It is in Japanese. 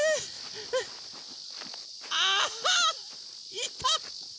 いた！